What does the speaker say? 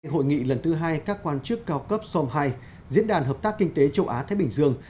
hội nghị lần thứ hai các quan chức cao cấp som hai diễn đàn hợp tác kinh tế châu á thái bình dương